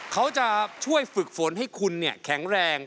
เขาจะช่วยฝึกฝนให้คุณแข็งแรง